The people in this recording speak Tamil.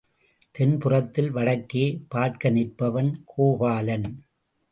தென் புறத்தில் வடக்கே பார்க்க நிற்பவன் கோபாலன்.